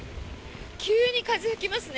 急に風が吹きますね。